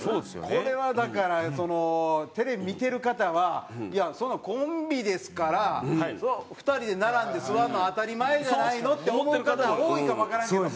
これはだからそのテレビ見てる方はいやそんなコンビですからそれは２人で並んで座るのは当たり前じゃないのって思う方が多いかもわからんけど。